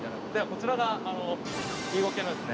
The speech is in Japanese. こちらがＥ５系のですね